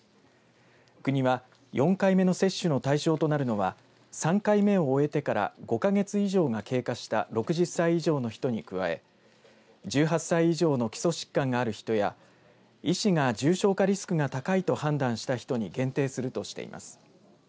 国は４回目接種の対象となるのは３回目を終えてから５か月以上が経過した６０歳以上の人に加え１８歳以上の基礎疾患がある人や医師が重症化リスクが高いと判断した人に限定するとしています。